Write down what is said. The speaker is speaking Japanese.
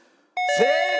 正解！